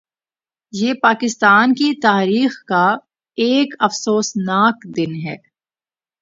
یہ پاکستان کی تاریخ کا ایک افسوسناک دن ہے